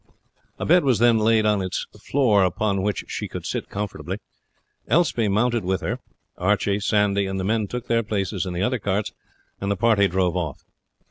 A bed was then laid on its floor upon which she could sit comfortably. Elspie mounted with her. Archie, Sandy, and the men took their places in the other carts, and the party drove off.